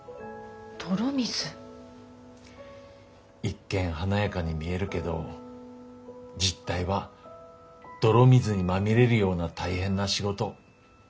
一見華やかに見えるけど実態は泥水にまみれるような大変な仕事。